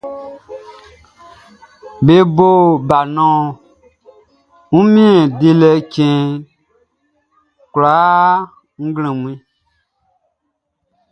Be bo balɔn Wunmiɛn-lolɛ-cɛn kwlaa nglɛmun.